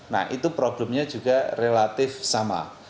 nah itu problemnya juga relatif sama